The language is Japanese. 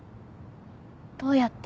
どうやって？